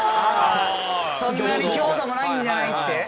そんなに強度もないんじゃない？って。